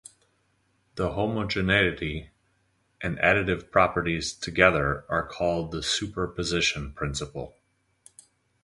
The homogeneity and additivity properties together are called the superposition principle.